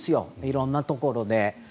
色んなところで。